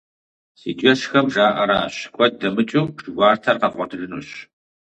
Си джэшхэм жаӀэращ: куэд дэмыкӀыу, шы гуартэр къэвгъуэтыжынущ.